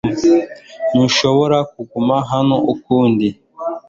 Ntushobora kuguma hano ukundi .